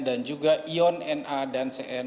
dan juga ion na dan cn